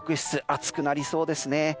暑くなりそうですね。